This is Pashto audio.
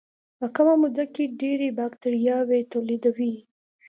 په کمه موده کې ډېرې باکتریاوې تولیدوي.